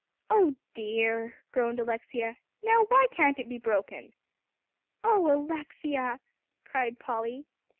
"Oh dear!" groaned Alexia. "Now why can't it be broken?" "Oh Alexia!" cried Polly.